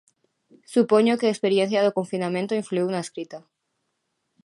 Supoño que a experiencia do confinamento influíu na escrita.